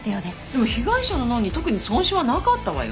でも被害者の脳に特に損傷はなかったわよ。